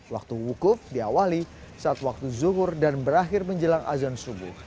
waktu wukuf diawali saat waktu zuhur dan berakhir menjelang azan subuh